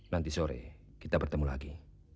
nanti sore kita bertemu lagi